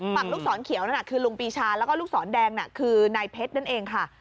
ลูกศรเขียวนั่นน่ะคือลุงปีชาแล้วก็ลูกศรแดงน่ะคือนายเพชรนั่นเองค่ะ